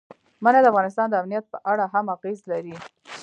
منی د افغانستان د امنیت په اړه هم اغېز لري.